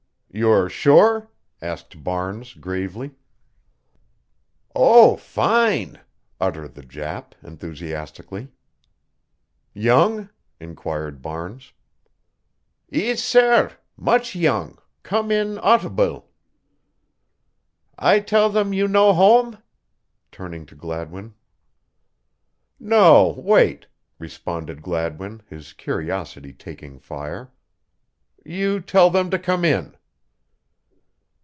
"You're sure?" asked Barnes, gravely. "Oh, fine," uttered the Jap, enthusiastically. "Young?" inquired Barnes. "Ees, sair much young come in autbile. I tell them you no home?" turning to Gladwin. "No, wait," responded Gladwin, his curiosity taking fire. "You tell them to come in."